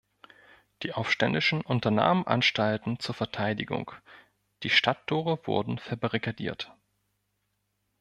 Die Aufständischen unternahmen Anstalten zur Verteidigung, die Stadttore wurden verbarrikadiert.